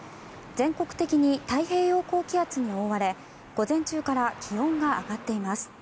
全国的に太平洋高気圧に覆われ午前中から気温が上がっています。